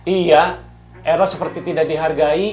iya era seperti tidak dihargai